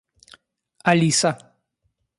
Алиса